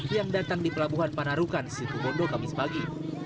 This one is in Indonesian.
yang datang di pelabuhan panarukan situ bondo kamis pagi